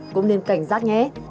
cũng nên cảnh giác nhé